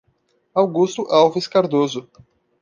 Augusto Alves Cardoso